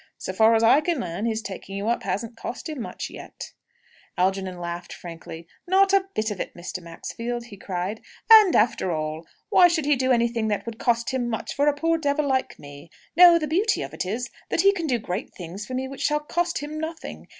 So far as I can learn, his taking you up hasn't cost him much yet." Algernon laughed frankly. "Not a bit of it, Mr. Maxfield!" he cried. "And, after all, why should he do anything that would cost him much, for a poor devil like me? No; the beauty of it is, that he can do great things for me which shall cost him nothing!